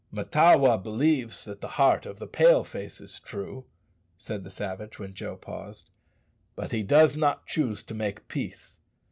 "Mahtawa believes that the heart of the Pale face is true," said the savage, when Joe paused, "but he does not choose to make peace.